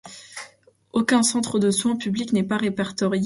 Aucun centre de soin public n'est répertorié sur Entrelacs.